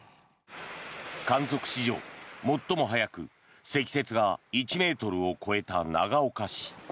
観測史上最も早く積雪が１ｍを超えた長岡市。